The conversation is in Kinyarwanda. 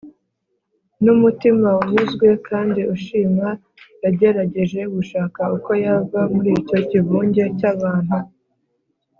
n’umutima unyuzwe kandi ushima, yagerageje gushaka uko yava muri icyo kivunge cy’abantu,